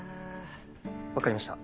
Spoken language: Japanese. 分かりました。